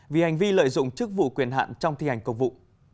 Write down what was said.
vì hành vi lợi dụng chức vụ quyền hạn trong thi hành công vụ